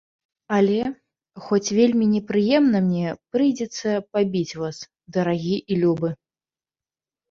Але, хоць вельмі непрыемна мне, прыйдзецца пабіць вас, дарагі і любы.